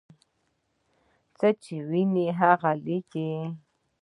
څه چې ویني هغه لیکي.